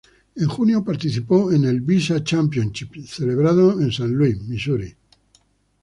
En junio participó en el "Visa Championships" celebrado en Saint Louis, Misuri.